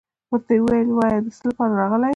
ورته يې ويل وايه دڅه لپاره راغلى يي.